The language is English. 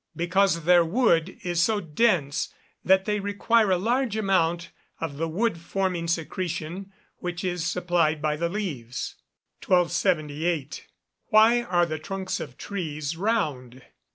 _ Because their wood is so dense that they require a larger amount of the wood forming secretion which is supplied by the leaves. 1278. _Why are the trunks of trees round?